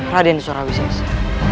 raden surawi sessa